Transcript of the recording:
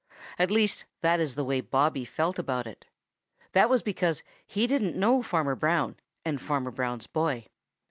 At least, that is the way Bobby felt about it. That was because he didn't know Farmer Brown and Farmer Brown's boy.